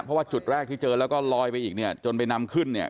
เพราะว่าจุดแรกที่เจอแล้วก็ลอยไปอีกเนี่ยจนไปนำขึ้นเนี่ย